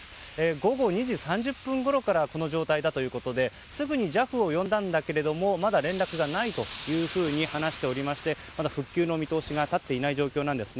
午後２時３０分ごろからこの状態だということですぐにＪＡＦを呼んだんだけどもまだ連絡がないというふうに話しておりましてまだ復旧の見通しが立っていない状況なんですね。